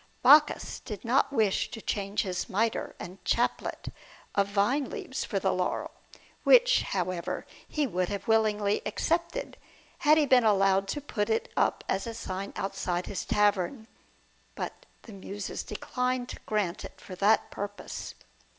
Bacchus did not wish to change his mitre and chaplet of vine leaves for the laurel, which, however, he would willingly have accepted, had he been allowed to put it up as a sign outside his tavern; but the Muses declined to grant it for that purpose.